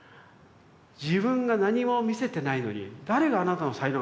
「自分が何も見せてないのに誰があなたの才能が分かるのよ。